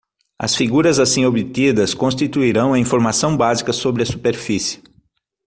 As figuras assim obtidas constituirão a informação básica sobre a superfície.